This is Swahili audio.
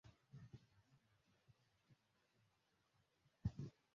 Madume wa kangaroo huwa wakubwa kuliko majike